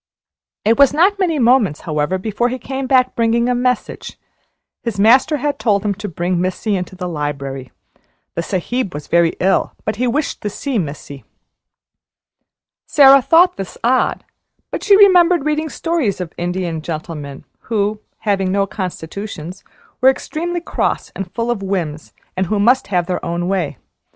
It was not many moments, however, before he came back bringing a message. His master had told him to bring Missy into the library. The Sahib was very ill, but he wished to see Missy. Sara thought this odd, but she remembered reading stories of Indian gentlemen who, having no constitutions, were extremely cross and full of whims, and who must have their own way.